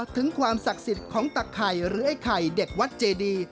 ถึงความศักดิ์สิทธิ์ของตะไข่หรือไอ้ไข่เด็กวัดเจดี